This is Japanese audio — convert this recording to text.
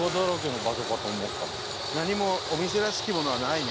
何もお店らしきものはないね。